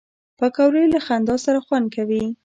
پکورې له خندا سره خوند کوي